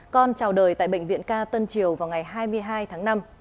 con chào đời tại bệnh viện ca tân triều vào ngày hai mươi hai tháng năm